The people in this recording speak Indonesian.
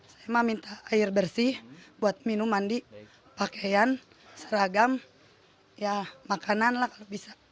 saya mah minta air bersih buat minum mandi pakaian seragam ya makanan lah kalau bisa